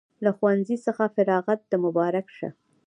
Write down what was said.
له ښوونځي څخه فراغت د مبارک شه